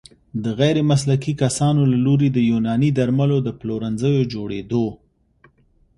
د غیرمسلکي کسانو له لوري د يوناني درملو د پلورنځيو جوړیدو